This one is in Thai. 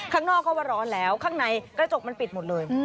ข้างนอกเขาว่าร้อนแล้วข้างในกระจกมันปิดหมดเลย